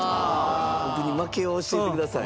僕に負けを教えてください。